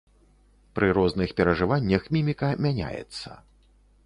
Пры розных перажываннях міміка мяняецца.